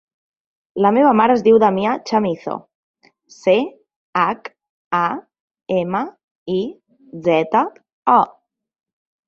La meva mare es diu Damià Chamizo: ce, hac, a, ema, i, zeta, o.